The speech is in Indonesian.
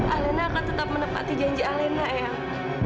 alena akan tetap menepati janji alena ya